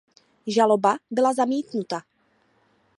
Žaloba byla zamítnuta.